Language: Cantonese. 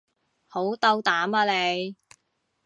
好斗膽啊你